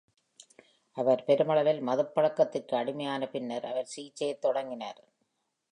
அவர் பெருமளவில் மதுப்பழக்கத்திற்கு அடிமையான பின்னர் அவர் சிகிச்சையைத் தொடங்கினார்.